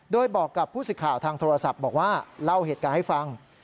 โดยบอกกับผู้สิทธิ์ข่าวทางโทรศัพท์บอกว่าเล่าเหตุการณ์ให้ฟัง